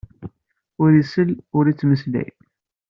Ur isell, ur yettmeslay.